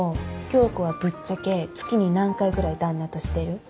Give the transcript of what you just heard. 響子はぶっちゃけ月に何回ぐらい旦那としてる？